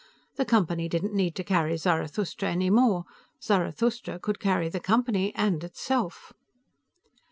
The Company didn't need to carry Zarathustra any more; Zarathustra could carry the Company, and itself.